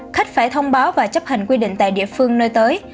khách phải thông báo và chấp hành quy định tại địa phương nơi tới